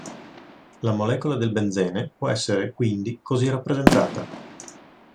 La molecola del benzene può essere quindi così rappresentata.